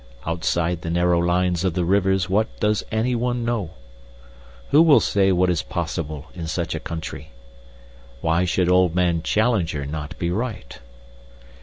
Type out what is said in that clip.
Outside the narrow lines of the rivers what does anyone know? Who will say what is possible in such a country? Why should old man Challenger not be right?"